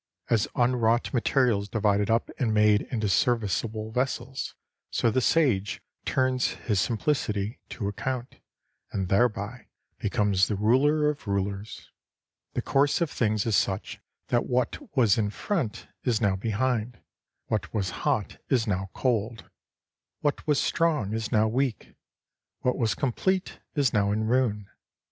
As unwrought material is divided up and made into serviceable vessels, so the Sage turns his simplicity * to account, and thereby becomes the ruler of rulers. The course of things is such that what was in front is now behind ; what was hot is now cold ; what was strong is now weak ; what was com plete is now in ruin.